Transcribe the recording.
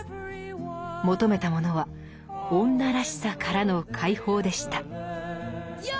求めたものは「女らしさ」からの解放でした。